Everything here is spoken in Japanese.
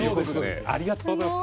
ありがとうございます。